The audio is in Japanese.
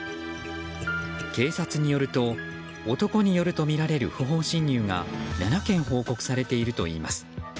警察によると男によるとみられる不法侵入が７件、報告されているといいます。